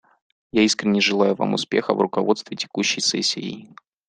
Я искренне желаю Вам успеха в руководстве текущей сессией.